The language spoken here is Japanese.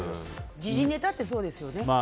時事ネタってそうですよね。